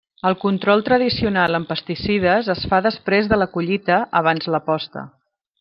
El control tradicional amb pesticides es fa després de la collita abans la posta.